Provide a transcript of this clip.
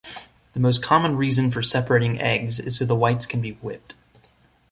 The most common reason for separating eggs is so the whites can be whipped.